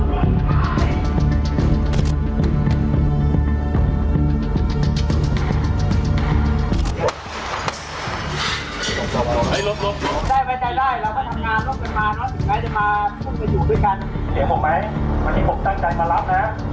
รักภูมิทราบงานจากที่อีกสักครั้ง